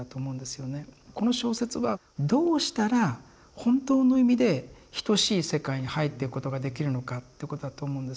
この小説はどうしたら本当の意味で等しい世界に入っていくことができるのかってことだと思うんですね。